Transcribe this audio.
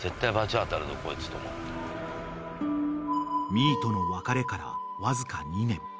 ［ミィとの別れからわずか２年］